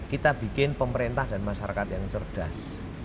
kita bikin pemerintah dan masyarakat yang cerdas